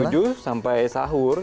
dari jam tujuh sampai sahur